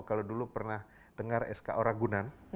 kalau dulu pernah dengar sko ragunan